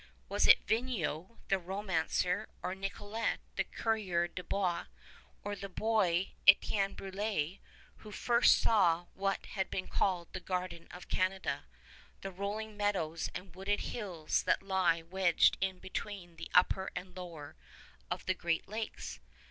Was it Vignau, the romancer, or Nicolet, the coureur de bois, or the boy Etienne Brulé, who first saw what has been called the Garden of Canada, the rolling meadows and wooded hills that lie wedged in between the Upper and the Lower of the Great Lakes?